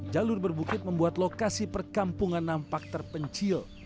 jalur berbukit membuat lokasi perkampungan nampak terpencil